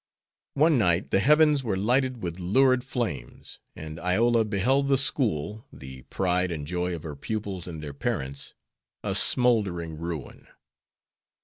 One night the heavens were lighted with lurid flames, and Iola beheld the school, the pride and joy of her pupils and their parents, a smouldering ruin.